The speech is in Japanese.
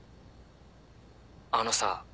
あのさ。